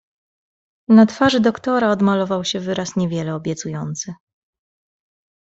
"Na twarzy doktora odmalował się wyraz niewiele obiecujący."